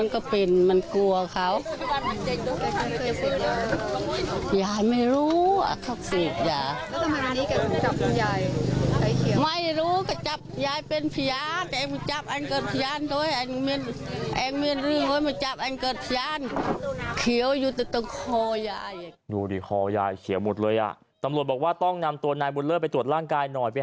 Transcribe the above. ก็จับยายไม่รู้ก็จับยายเป็นพญาน